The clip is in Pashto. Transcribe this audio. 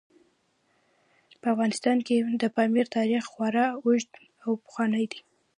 په افغانستان کې د پامیر تاریخ خورا اوږد او پخوانی دی.